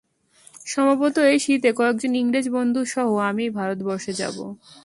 সম্ভবত এই শীতে কয়েকজন ইংরেজ বন্ধু সহ আমি ভারতবর্ষে যাব।